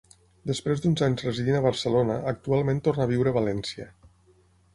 Després d'uns anys residint a Barcelona, actualment torna a viure a València.